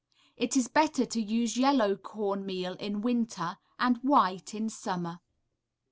It is better to use yellow corn meal in winter and white in summer.